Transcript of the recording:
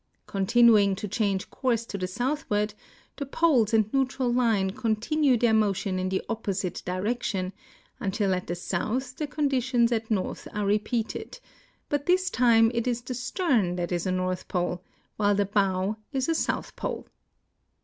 Continuing to change course to the southward, the poles and neutral line continue their motion in the opposite direction, until at the south the conditions at noi'th are repeated, but this time it is the stern that is a north pole, while the bow is a south pole.